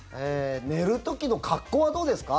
寝る時の格好はどうですか？